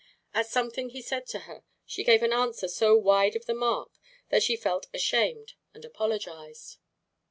At something he said to her, she gave an answer so wide of the mark that she felt ashamed and apologized.